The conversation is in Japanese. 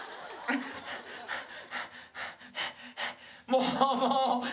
もう。